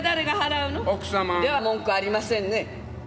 「では文句ありませんね」。